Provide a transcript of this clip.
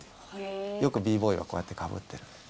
よくＢ−ＢＯＹはこうやってかぶってる。